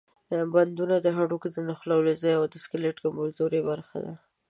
بندونه د هډوکو د نښلولو ځای او د سکلیټ کمزورې برخې دي.